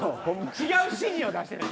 違う指示を出してんねん。